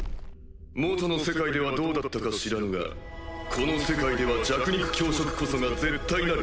元の世界ではどうだったか知らぬがこの世界では弱肉強食こそが絶対なる真理だ。